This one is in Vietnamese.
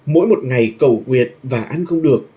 mỗi một ngày cầu nguyệt và ăn không được